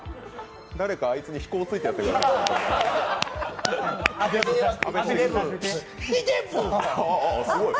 誰かあいつのヒコウをついてやってください。